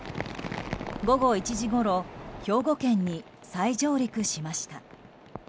午後１時ごろ兵庫県に再上陸しました。